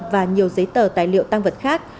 và nhiều giấy tờ tài liệu tăng vật khác